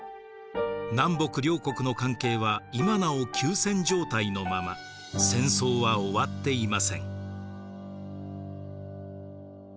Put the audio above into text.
南北両国の関係は今なお休戦状態のまま戦争は終わっていません。